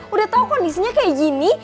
udah tahu kondisinya kayak gini